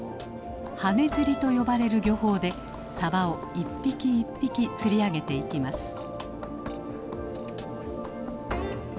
ハネ釣りと呼ばれる漁法でさばを一匹一匹釣り上げていきます。